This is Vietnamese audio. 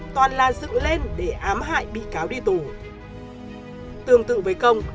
tương tự với công